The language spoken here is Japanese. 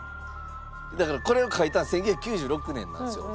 だからこれを書いたの１９９６年なんですよ。